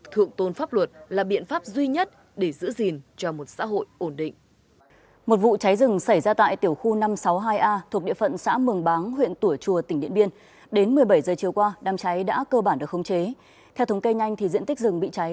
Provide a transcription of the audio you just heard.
thượng tôn pháp luật là biện pháp duy nhất để giữ gìn cho một xã hội ổn định